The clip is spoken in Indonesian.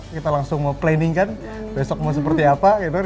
kita langsung mau planning kan besok mau seperti apa gitu